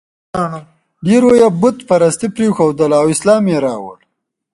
ډېرو یې بت پرستي پرېښودله او اسلام یې راوړ.